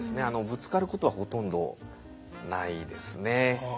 ぶつかることはほとんどないですね。